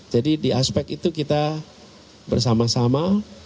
jadi di aspek itu kita bersama sama